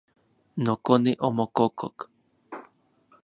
Nokone omokokok.